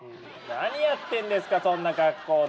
何やってんですかそんな格好で。